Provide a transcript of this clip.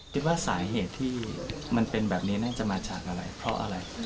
คิดว่าสาเหตุที่มันเป็นแบบนี้น่าจะมาจากอะไรเพราะอะไร